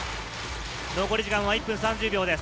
残り時間は１分３０秒です。